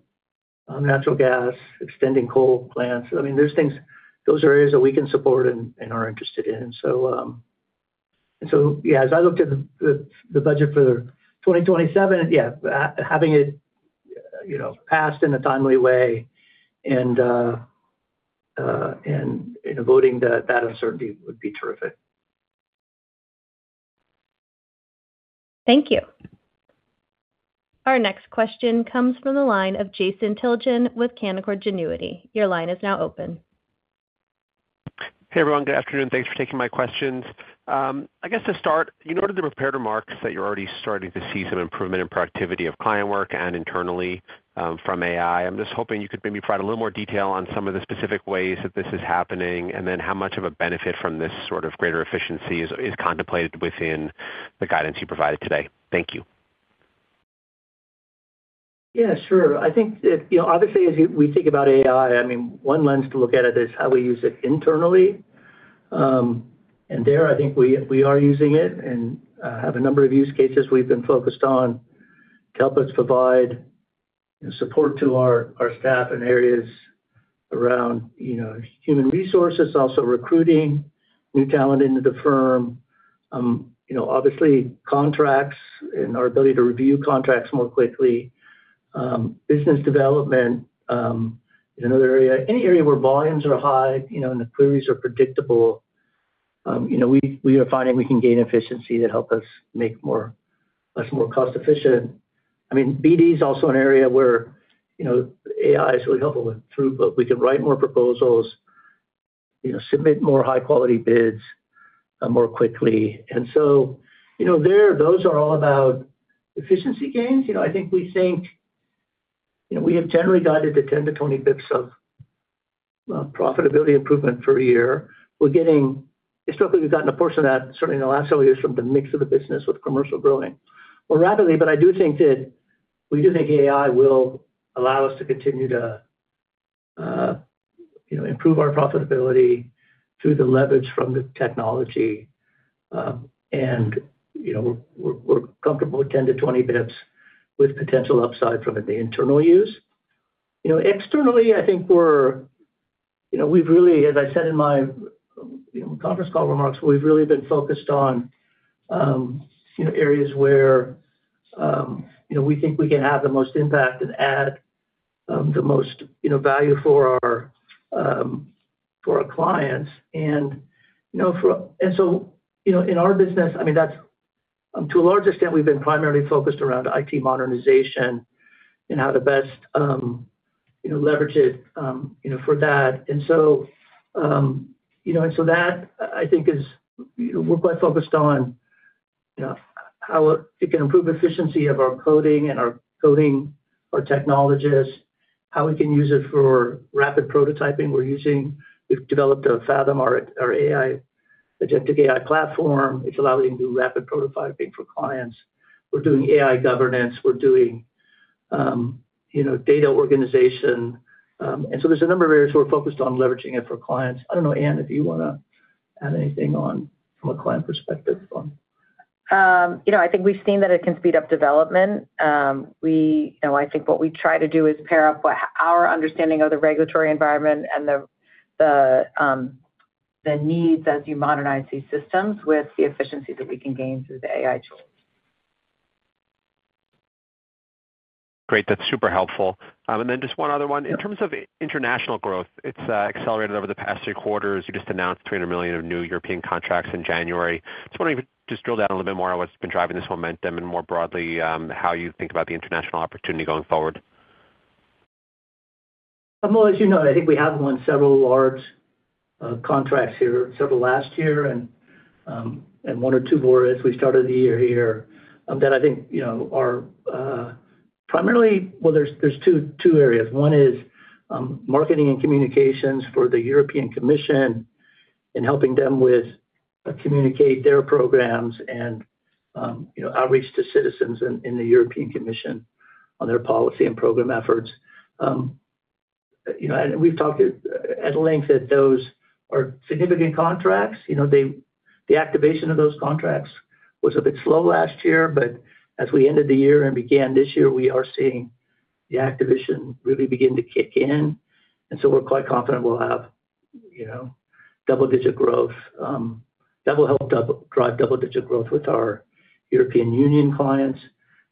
Speaker 3: natural gas, extending coal plants. I mean, there's things, those are areas that we can support and are interested in. Yeah, as I looked at the budget for 2027, yeah, having it, you know, passed in a timely way and avoiding that uncertainty would be terrific.
Speaker 1: Thank you. Our next question comes from the line of Joseph Vafi with Canaccord Genuity. Your line is now open.
Speaker 8: Hey, everyone. Good afternoon. Thanks for taking my questions. I guess to start, you noted in the prepared remarks that you're already starting to see some improvement in productivity of client work and internally, from AI. I'm just hoping you could maybe provide a little more detail on some of the specific ways that this is happening, and then how much of a benefit from this sort of greater efficiency is contemplated within the guidance you provided today. Thank you.
Speaker 3: Yeah, sure. I think, you know, obviously, we think about AI, I mean, one lens to look at it is how we use it internally. And there, I think we are using it and have a number of use cases we've been focused on to help us provide support to our staff in areas around, you know, human resources, also recruiting new talent into the firm. You know, obviously contracts and our ability to review contracts more quickly. Business development is another area. Any area where volumes are high, you know, and the queries are predictable, you know, we are finding we can gain efficiency to help us more cost-efficient. I mean, BD is also an area where, you know, AI is really helpful with throughput. We can write more proposals, you know, submit more high-quality bids, more quickly. You know, there, those are all about efficiency gains. You know, I think we think, you know, we have generally guided to 10-20 bps of profitability improvement for a year. Historically, we've gotten a portion of that, certainly in the last several years, from the mix of the business with commercial growing more rapidly. I do think that we do think AI will allow us to continue to, you know, improve our profitability through the leverage from the technology. You know, we're comfortable with 10-20 bps with potential upside from the internal use. You know, externally, I think we're, you know, we've really, as I said in my, you know, conference call remarks, we've really been focused on, you know, areas where, you know, we think we can have the most impact and add, the most, you know, value for our, for our clients. So, you know, in our business, I mean, that's, to a large extent, we've been primarily focused around IT modernization and how to best, you know, leverage it, you know, for that. So, you know, and so that, I think, is, you know, we're quite focused on. You know, how it can improve efficiency of our coding, our technologists, how we can use it for rapid prototyping. We've developed ICF Fathom, our agentic AI platform, which allows you to do rapid prototyping for clients. We're doing AI governance, we're doing, you know, data organization. There's a number of areas we're focused on leveraging it for clients. I don't know, Anne, if you wanna add anything on from a client perspective on?
Speaker 6: You know, I think we've seen that it can speed up development. You know, I think what we try to do is pair up our understanding of the regulatory environment and the needs as you modernize these systems with the efficiency that we can gain through the AI tools.
Speaker 8: Great. That's super helpful. Then just one other one. In terms of international growth, it's accelerated over the past three quarters. You just announced $300 million of new European contracts in January. Just wondering if you could just drill down a little bit more on what's been driving this momentum and more broadly, how you think about the international opportunity going forward?
Speaker 3: As you know, I think we have won several large contracts here, several last year and one or two more as we started the year here, that I think, you know, are primarily. There's two areas. One is marketing and communications for the European Commission and helping them with communicate their programs and, you know, outreach to citizens in the European Commission on their policy and program efforts. You know, we've talked at length that those are significant contracts. You know, the activation of those contracts was a bit slow last year, but as we ended the year and began this year, we are seeing the activation really begin to kick in. We're quite confident we'll have, you know, double-digit growth that will help drive double-digit growth with our European Union clients.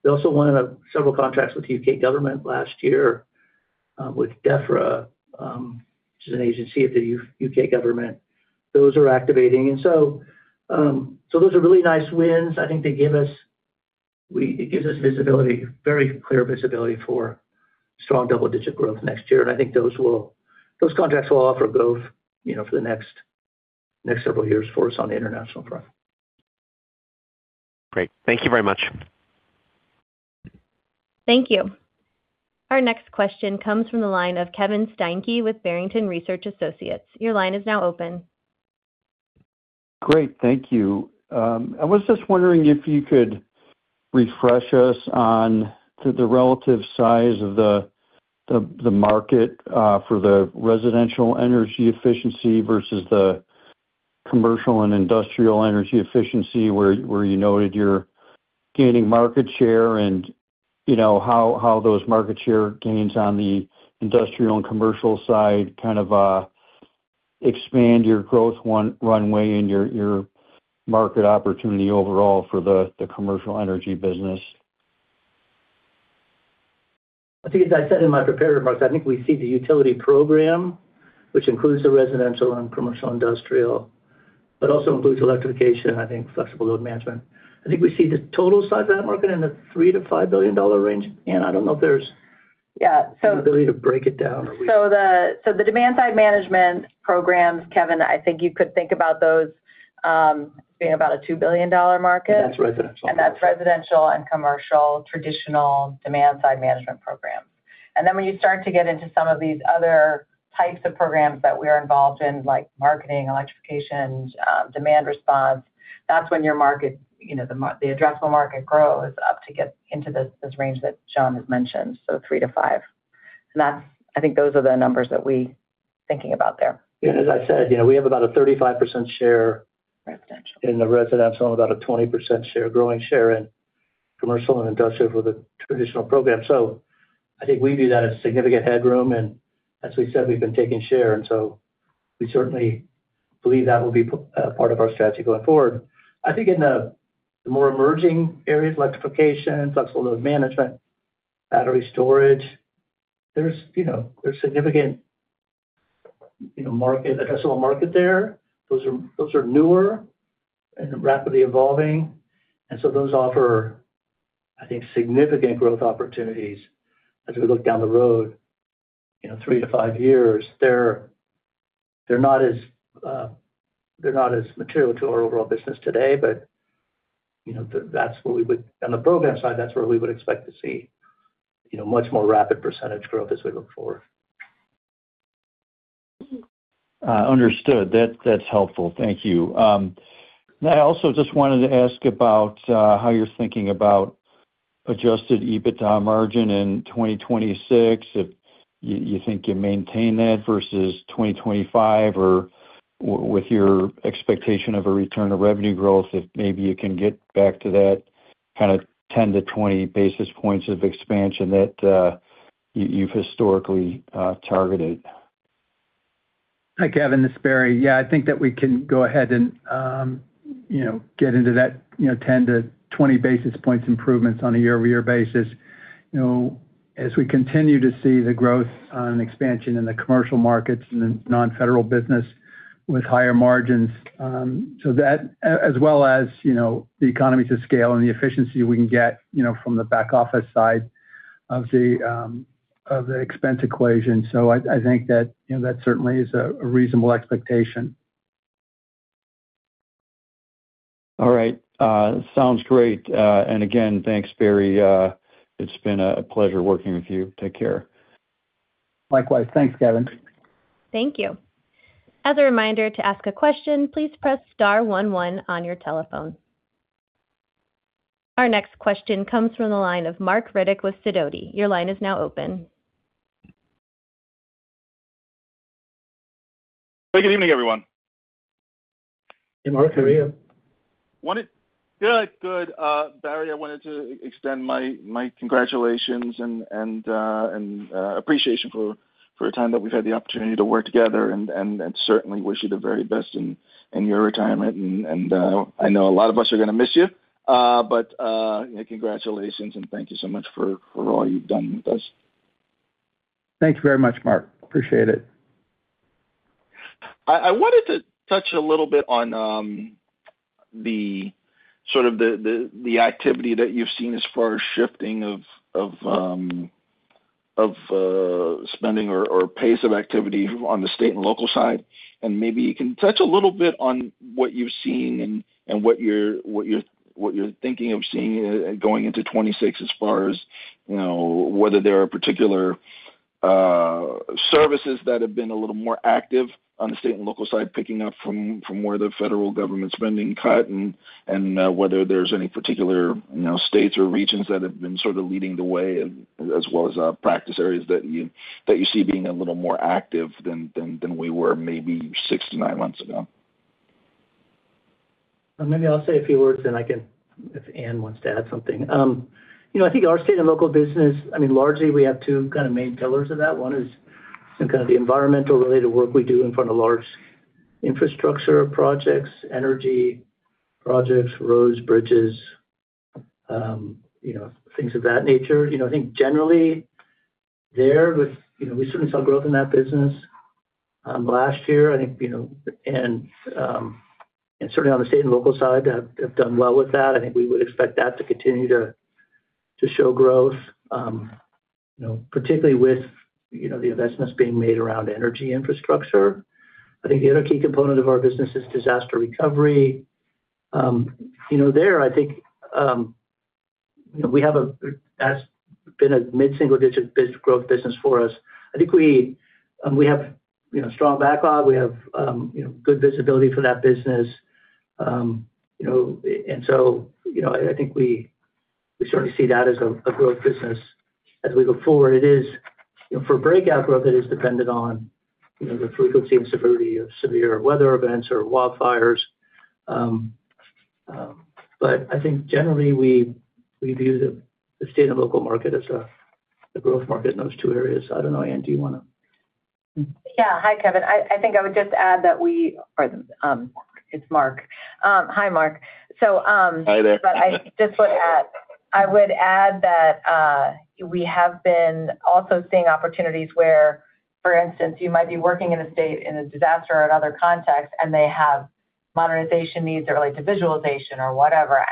Speaker 3: We also won several contracts with the U.K. government last year with Defra, which is an agency of the U.K. government. Those are activating. Those are really nice wins. I think they give us visibility, very clear visibility for strong double-digit growth next year. I think those contracts will offer growth, you know, for the next several years for us on the international front.
Speaker 8: Great. Thank you very much.
Speaker 1: Thank you. Our next question comes from the line of Kevin Steinke with Barrington Research Associates. Your line is now open.
Speaker 9: Great. Thank you. I was just wondering if you could refresh us on the relative size of the market for the residential energy efficiency versus the commercial and industrial energy efficiency, where you noted you're gaining market share and, you know, how those market share gains on the industrial and commercial side kind of expand your growth runway and your market opportunity overall for the commercial energy business?
Speaker 3: I think, as I said in my prepared remarks, I think we see the utility program, which includes the residential and commercial industrial, but also includes electrification, I think flexible load management. I think we see the total size of that market in the $3 billion-$5 billion range. Anne, I don't know if there's—
Speaker 6: Yeah.
Speaker 3: —an ability to break it down or?
Speaker 6: The demand side management programs, Kevin, I think you could think about those, being about a $2 billion market.
Speaker 3: That's residential.
Speaker 6: That's residential and commercial, traditional demand side management programs. When you start to get into some of these other types of programs that we are involved in, like marketing, electrification, demand response, that's when your market, you know, the addressable market grows up to get into this range that John has mentioned. 3 to 5. That's I think those are the numbers that we thinking about there.
Speaker 3: As I said, you know, we have about a 35% share—
Speaker 6: Residential
Speaker 3: —in the residential and about a 20% share, growing share in commercial and industrial with a traditional program. I think we view that as significant headroom. As we said, we've been taking share, and so we certainly believe that will be part of our strategy going forward. I think in the more emerging areas, electrification, flexible load management, battery storage, you know, significant, you know, market, addressable market there. Those are newer and rapidly evolving, and so those offer, I think, significant growth opportunities as we look down the road, you know, three to five years. They're not as material to our overall business today, but, you know, that's where we would. On the program side, that's where we would expect to see, you know, much more rapid percentage growth as we look forward.
Speaker 9: Understood. That's helpful. Thank you. I also just wanted to ask about how you're thinking about Adjusted EBITDA margin in 2026, if you think you maintain that versus 2025, or with your expectation of a return to revenue growth, if maybe you can get back to that kind of 10-20 basis points of expansion that you've historically targeted.
Speaker 4: Hi, Kevin. This is Barry. Yeah, I think that we can go ahead and, you know, get into that, you know, 10-20 basis points improvements on a year-over-year basis. You know, as we continue to see the growth on expansion in the commercial markets and the non-federal business with higher margins, so that as well as, you know, the economies of scale and the efficiency we can get, you know, from the back office side of the Of the expense equation. I think that, you know, that certainly is a reasonable expectation.
Speaker 9: All right. Sounds great. Again, thanks, Barry. It's been a pleasure working with you. Take care.
Speaker 4: Likewise. Thanks, Kevin.
Speaker 1: Thank you. As a reminder, to ask a question, please press star one one on your telephone. Our next question comes from the line of Marc Riddick with Sidoti. Your line is now open.
Speaker 10: Good evening, everyone.
Speaker 4: Hey, Marc. How are you?
Speaker 10: Wanted—good. Good. Barry, I wanted to extend my congratulations and appreciation for the time that we've had the opportunity to work together and certainly wish you the very best in your retirement. I know a lot of us are gonna miss you. Congratulations and thank you so much for all you've done with us.
Speaker 4: Thanks very much, Marc. Appreciate it.
Speaker 10: I wanted to touch a little bit on the sort of the activity that you've seen as far as shifting of spending or pace of activity on the state and local side. Maybe you can touch a little bit on what you've seen and what you're thinking of seeing going into 2026 as far as, you know, whether there are particular services that have been a little more active on the state and local side, picking up from where the federal government spending cut and whether there's any particular, you know, states or regions that have been sort of leading the way as well as practice areas that you see being a little more active than we were maybe six to nine months ago.
Speaker 3: Maybe I'll say a few words then I can... If Anne wants to add something. You know, I think our state and local business, I mean, largely, we have two kind of main pillars of that. One is some kind of the environmental-related work we do in front of large infrastructure projects, energy projects, roads, bridges, you know, things of that nature. You know, I think generally there with, you know, we certainly saw growth in that business last year. I think, you know, and certainly on the state and local side, have done well with that. I think we would expect that to continue to show growth, you know, particularly with, you know, the investments being made around energy infrastructure. I think the other key component of our business is disaster recovery. You know, there, I think, you know, we have that's been a mid-single digit growth business for us. I think we have, you know, strong backlog. We have, you know, good visibility for that business. you know, I think we certainly see that as a growth business as we go forward. It is, you know, for breakout growth, it is dependent on, you know, the frequency and severity of severe weather events or wildfires. I think generally we view the state and local market as a growth market in those two areas. I don't know. Anne, do you wanna?
Speaker 6: Yeah. Hi, Kevin. I think I would just add that. It's Marc. Hi, Marc.
Speaker 10: Hi there.
Speaker 6: I just would add that we have been also seeing opportunities where, for instance, you might be working in a state in a disaster or another context, and they have modernization needs that relate to visualization or whatever.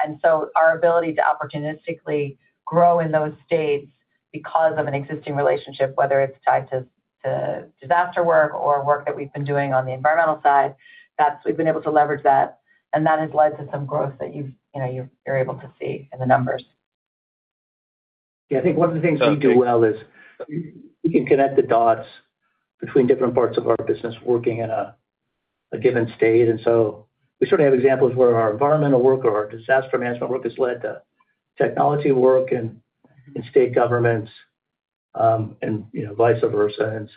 Speaker 6: Our ability to opportunistically grow in those states because of an existing relationship, whether it's tied to disaster work or work that we've been doing on the environmental side, we've been able to leverage that, and that has led to some growth that you've, you know, you're able to see in the numbers.
Speaker 3: Yeah. I think one of the things we do well is we can connect the dots between different parts of our business working in a given state. We certainly have examples where our environmental work or our disaster management work has led to technology work in state governments, and, you know, vice versa.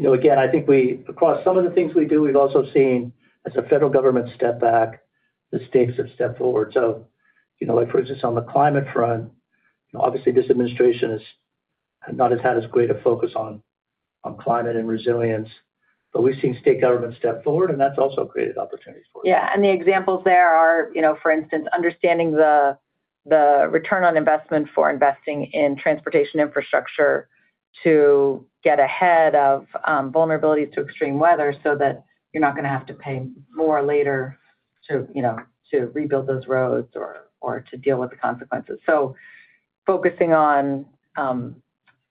Speaker 3: You know, again, I think across some of the things we do, we've also seen as the federal government step back, the states have stepped forward. You know, like for instance, on the climate front, you know, obviously, this administration has not had as great a focus on climate and resilience, but we've seen state government step forward, and that's also created opportunities for us.
Speaker 6: Yeah. The examples there are, you know, for instance, understanding the return on investment for investing in transportation infrastructure to get ahead of vulnerabilities to extreme weather so that you're not gonna have to pay more later to, you know, to rebuild those roads or to deal with the consequences. Focusing on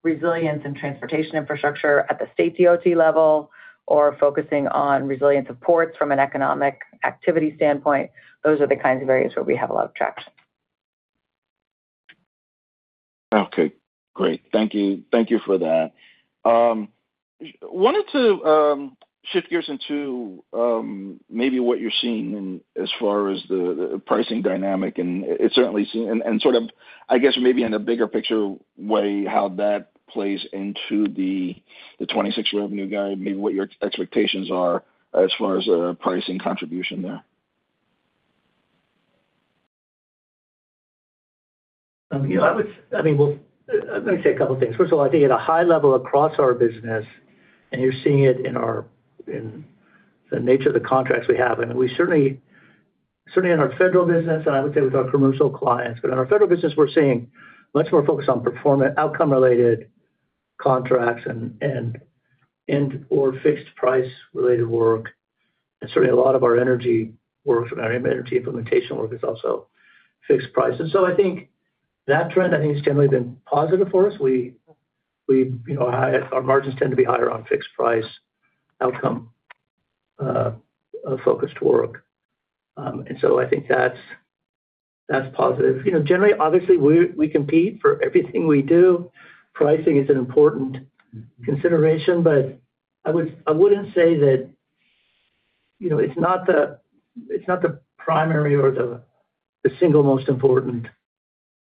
Speaker 6: resilience and transportation infrastructure at the state DOT level or focusing on resilience of ports from an economic activity standpoint, those are the kinds of areas where we have a lot of traction.
Speaker 10: Okay. Great. Thank you. Thank you for that. wanted to shift gears into maybe what you're seeing in as far as the pricing dynamic and sort of, I guess, maybe in a bigger picture way, how that plays into the 2026 revenue guide, maybe what your expectations are as far as pricing contribution there.
Speaker 3: You know, I mean, well, let me say a couple of things. First of all, I think at a high level across our business, and you're seeing it in the nature of the contracts we have, and we certainly in our federal business, and I would say with our commercial clients. In our federal business, we're seeing much more focus on outcome-related contracts and or fixed price related work. Certainly a lot of our energy work from our energy implementation work is also fixed price. I think that trend, I think it's generally been positive for us. We, you know, our margins tend to be higher on fixed price outcome focused work. I think that's positive. You know, generally, obviously, we compete for everything we do. Pricing is an important consideration, but I wouldn't say that, you know, it's not the, it's not the primary or the single most important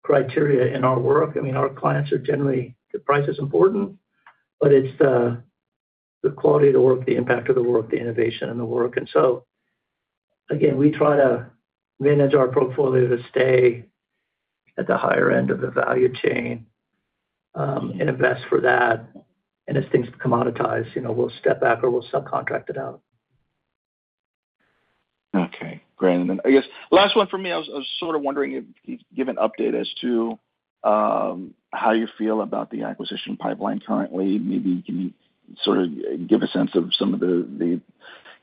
Speaker 3: criteria in our work. I mean, our clients are generally, the price is important, but it's the quality of the work, the impact of the work, the innovation in the work. Again, we try to manage our portfolio to stay at the higher end of the value chain and invest for that. As things commoditize, you know, we'll step back or we'll subcontract it out.
Speaker 10: Okay, great. I guess last one for me, I was sorta wondering if you'd give an update as to how you feel about the acquisition pipeline currently. Maybe can you sort of give a sense of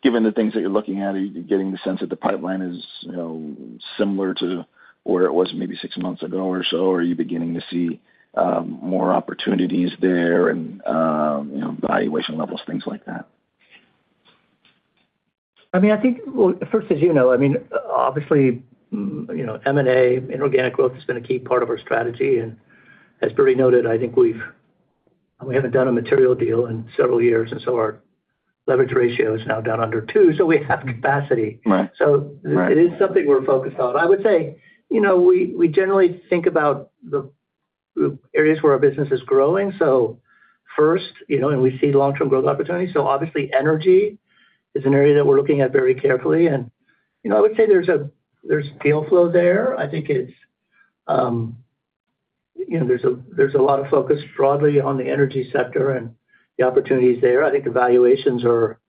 Speaker 10: Given the things that you're looking at, are you getting the sense that the pipeline is, you know, similar to where it was maybe six months ago or so? Are you beginning to see more opportunities there and, you know, valuation levels, things like that?
Speaker 3: I mean, I think, well, first as you know, I mean, obviously, you know, M&A, inorganic growth has been a key part of our strategy. As Barry noted, I think we haven't done a material deal in several years. Our leverage ratio is now down under 2x. We have capacity.
Speaker 10: Right.
Speaker 3: It is something we're focused on. I would say, you know, we generally think about the areas where our business is growing. First, you know, and we see long-term growth opportunities. Obviously, energy is an area that we're looking at very carefully. You know, I would say there's deal flow there. I think it's, you know, there's a lot of focus broadly on the energy sector and the opportunities there. I think the valuations are,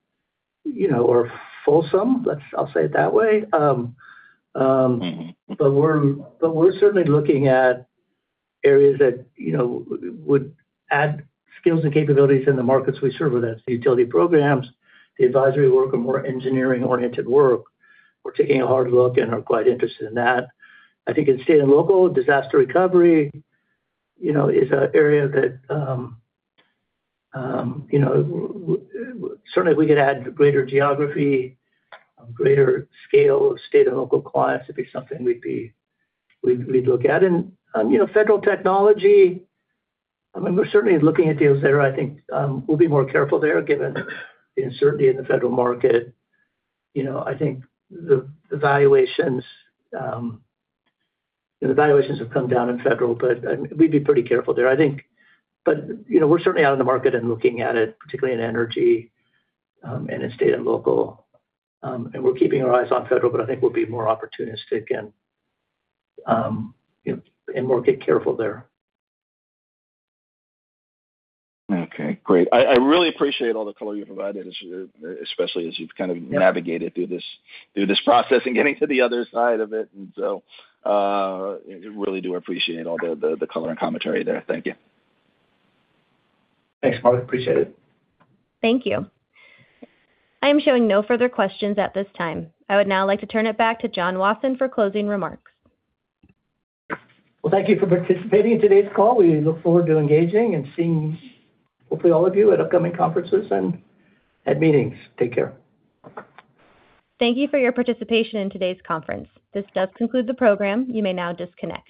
Speaker 3: you know, are fulsome. I'll say it that way. We're certainly looking at areas that, you know, would add skills and capabilities in the markets we serve with us. The utility programs, the advisory work or more engineering-oriented work. We're taking a hard look and are quite interested in that. I think in state and local disaster recovery, you know, is a area that, you know, certainly if we could add greater geography, greater scale of state and local clients, it'd be something we'd look at. You know, federal technology, I mean, we're certainly looking at deals there. I think we'll be more careful there given the uncertainty in the federal market. You know, I think the valuations, the valuations have come down in federal, but we'd be pretty careful there. I think. You know, we're certainly out in the market and looking at it, particularly in energy and in state and local. We're keeping our eyes on federal, but I think we'll be more opportunistic and you know, and more get careful there.
Speaker 10: Okay, great. I really appreciate all the color you provided, especially as you've kind of navigated through this, through this process and getting to the other side of it. Really do appreciate all the color and commentary there. Thank you.
Speaker 3: Thanks, Marc. Appreciate it.
Speaker 1: Thank you. I am showing no further questions at this time. I would now like to turn it back to John Wasson for closing remarks.
Speaker 3: Well, thank you for participating in today's call. We look forward to engaging and seeing hopefully all of you at upcoming conferences and at meetings. Take care.
Speaker 1: Thank you for your participation in today's conference. This does conclude the program. You may now disconnect.